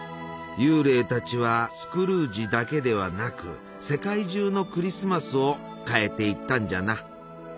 幽霊たちはスクルージだけではなく世界中のクリスマスを変えていったんじゃな。